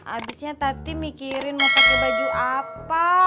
abisnya tati mikirin mau pakai baju apa